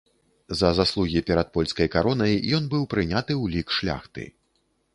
За заслугі перад польскай каронай ён быў прыняты ў лік шляхты.